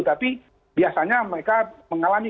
tapi biasanya mereka mengalami